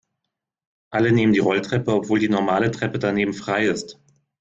Alle nehmen die Rolltreppe, obwohl die normale Treppe daneben frei ist.